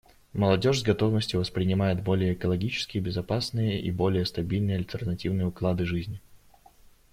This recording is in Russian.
Молодежь с готовностью воспринимает более экологически безопасные и более стабильные альтернативные уклады жизни.